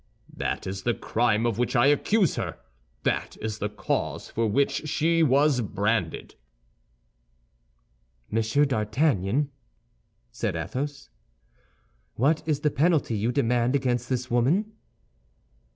"That is the crime of which I accuse her; that is the cause for which she was branded." "Monsieur d'Artagnan," said Athos, "what is the penalty you demand against this woman?"